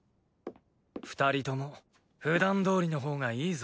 ２人ともふだんどおりのほうがいいぞ。